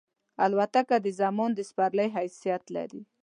الوتکه د زمان د سپرلۍ حیثیت لري.